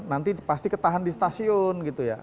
nanti pasti ketahan di stasiun gitu ya